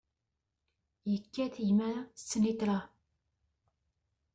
Yekkat gma snitra.